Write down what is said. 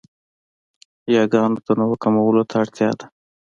یاګانو تنوع کمولو ته اړتیا ده.